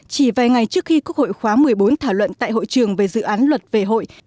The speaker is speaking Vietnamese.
chỉ vài ngày trước khi quốc hội khóa một mươi bốn thảo luận tại hội trường về dự án luật về hội